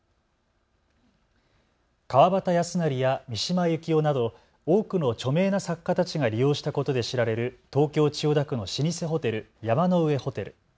川端康成や三島由紀夫など多くの著名な作家たちが利用したことで知られる東京千代田区の老舗ホテル、山の上ホテル。